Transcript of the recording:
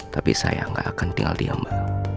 tapi saya gak akan tinggal diam mbak